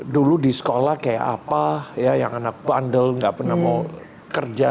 dulu di sekolah kayak apa ya yang anak bandel nggak pernah mau kerja